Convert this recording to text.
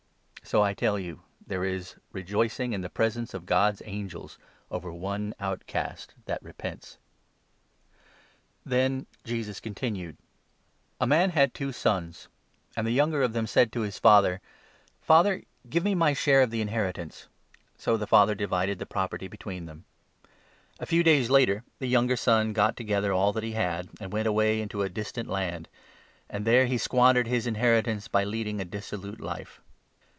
So, I tell you, there is 10 rejorcing in the presence of God's angels over one outcast that repents." LUKE, 15. 141 Then Jesus continued : n Parable "^ man had two sons; and the younger of 12 of the them said to his father ' Father, give me my share lost son of the inheritance. ' So the father divided the property between them. A few days later the younger son got 13 together all that he had, and went away into a distant land ; and there he squandered his inheritance by leading a dissolute life.